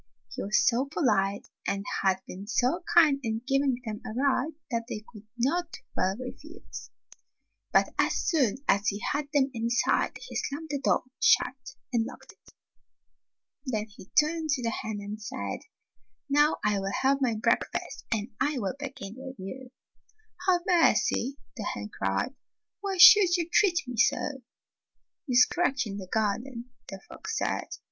He was so polite and had been so kind in giving them a ride that they could not well 110 Fairy Tale Foxes refuse. But as soon as he had them inside he slammed the door shut and locked it. Then he turned to the hen and said, " Now I will have my breakfast, and I will begin with you.'" ''Have mercy!" the hen cried. "Why should you treat me so?" "You scratch in the garden," the fox said.